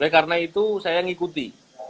nah karena itu saya ngikuti